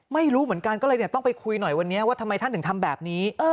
ไม่รู้เหมือนกันก็เลยต้องไปคุยหน่อยวันนี้ว่าทำไมท่านถึงทำแบบนี้